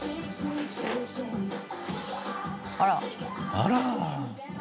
あら！